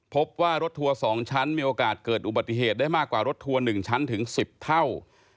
พบว่ารถทัวร์๒ชั้นมีโอกาสเกิดอุบัติเหตุได้มากกว่ารถทัวร์๑ชั้นถึง๑๐เท่า